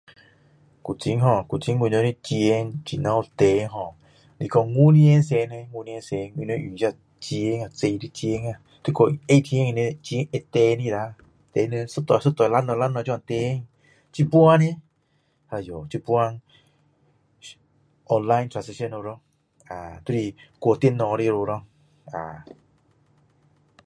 古晋吼古晋我们的钱怎样还你说五年前我们用钱呀纸的钱要去 atm 按出来一块一块两块两块这样还现在呢哎哟现在 online transition 了咯就是过电脑的咯